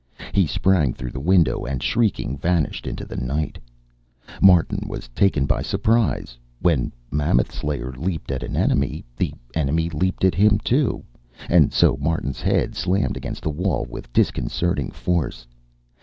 He sprang through the window and, shrieking, vanished into the night. Martin was taken by surprise. When Mammoth Slayer leaped at an enemy, the enemy leaped at him too, and so Martin's head slammed against the wall with disconcerting force.